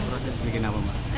proses bikin apa mbak